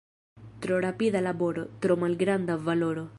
Tro rapida laboro, tro malgranda valoro.